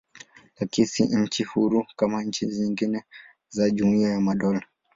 Lakini si nchi huru kama nchi nyingine za Jumuiya ya Madola.